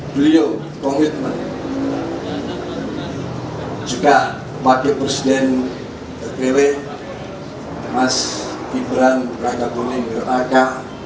beliau komitmen juga sebagai presiden rpw mas ibran raka guning raka